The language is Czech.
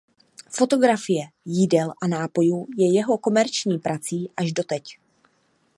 Fotografie jídel a nápojů je jeho komerční prací až do teď.